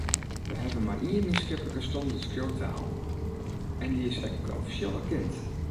We hawwe mar ien mienskiplike standertskriuwtaal, en dy is ek offisjeel erkend.